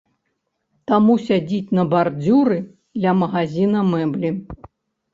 Таму сядзіць на бардзюры ля магазіна мэблі.